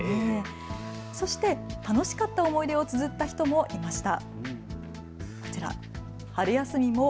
そして楽しかった思い出をつづった人もいました。